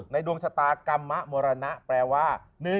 ในดวงชะตากรรมมะหมอนาาแปลว่า